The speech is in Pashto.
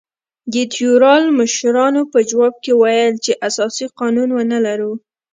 د تیورال مشرانو په ځواب کې ویل چې اساسي قانون ونه لرو.